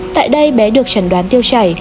tại đây bé được chẩn đoán tiêu chảy